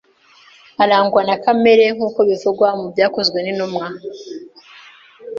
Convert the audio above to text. arangwa nna kamere nk'uko bivugwa mu Byakozwenintumwa